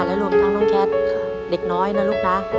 และรวมทั้งน้องแคทเด็กน้อยนะลูกนะ